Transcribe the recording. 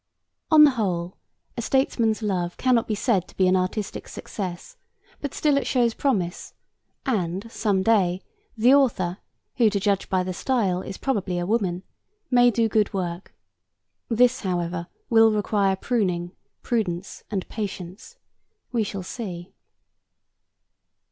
On the whole, A Statesman's Love cannot be said to be an artistic success; but still it shows promise and, some day, the author who, to judge by the style, is probably a woman, may do good work. This, however, will require pruning, prudence and patience. We shall see.